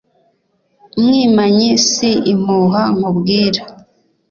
Mwimanyi si impuha nkubwira